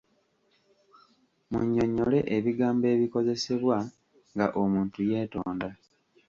Munnyonnyole ebigambo ebikozesebwa nga omuntu yeetonda.